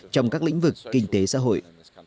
trong các lĩnh vực kinh tế xã hội